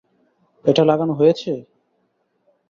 এটা লাগানো হয়েছে?